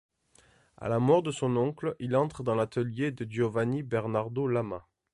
À la mort de son oncle, il entre dans l'atelier de Giovanni Bernardo Lama.